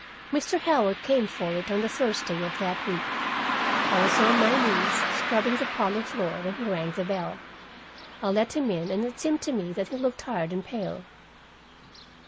Mr. Howell came for it on the Thursday of that week. I was on my knees scrubbing the parlor floor, when he rang the bell. I let him in, and it seemed to me that he looked tired and pale.